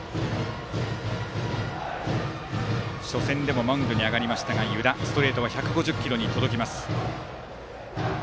初戦でもマウンドに上がった湯田ストレートは１５０キロに届きます。